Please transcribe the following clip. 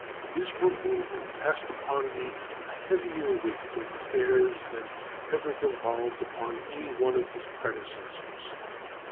His removal cast upon me a heavier weight of cares than ever devolved upon any one of his predecessors.